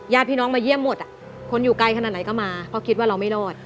ญาติพี่น้องมาเยี่ยมหมดคนอยู่ไกลขนาดไหนก็มาเพราะคิดว่าเราไม่รอด